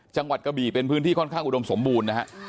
กะบี่เป็นพื้นที่ค่อนข้างอุดมสมบูรณ์นะฮะ